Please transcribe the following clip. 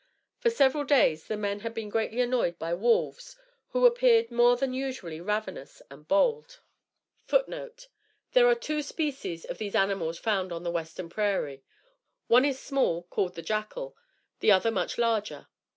For several days the men had been greatly annoyed by wolves who appeared more than usually ravenous and bold. [Footnote 2: There are two species of these animals found on the western prairie. One is small, called the Jackal; the other much larger.